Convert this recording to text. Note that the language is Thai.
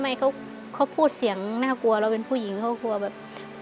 ไม่เขาพูดเสียงน่ากลัวเราเป็นผู้หญิงเขากลัวแบบ